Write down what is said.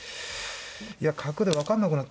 いや角で分かんなくなっ。